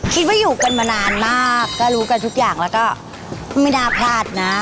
คิดว่าอยู่กันมานานมากก็รู้กันทุกอย่างแล้วก็ไม่น่าพลาดนะ